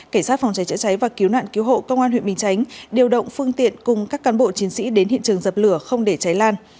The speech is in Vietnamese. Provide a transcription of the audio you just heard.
cảnh sát phòng cháy chữa cháy và cứu nạn cứu hộ công an huyện bình chánh điều động phương tiện cùng các cán bộ chiến sĩ đến hiện trường dập lửa không để cháy lan